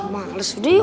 males udah yuk